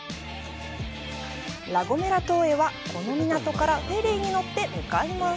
ラ・ゴメラ島へは、この港からフェリーに乗って向かいます。